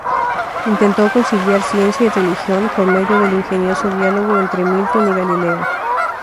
Intentó conciliar ciencia y religión, por medio del ingenioso diálogo entre Milton y Galileo.